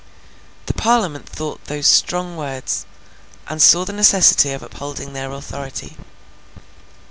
The Parliament thought those strong words, and saw the necessity of upholding their authority.